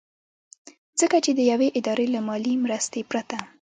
ځکه چې د يوې ادارې له مالي مرستې پرته